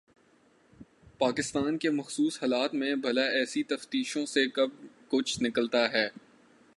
پاکستان کے مخصوص حالات میں بھلا ایسی تفتیشوں سے کب کچھ نکلتا ہے؟